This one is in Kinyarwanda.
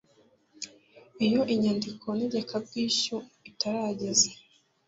Iyo inyandiko ntegekabwishyu itarageza